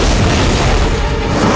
tidak ada yang lebih sakti dariku